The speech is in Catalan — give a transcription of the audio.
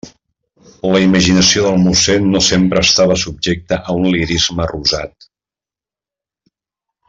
La imaginació del mossén no sempre estava subjecta a un lirisme rosat.